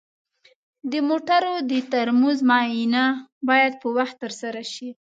د موټرو د ترمز معاینه باید په وخت ترسره شي.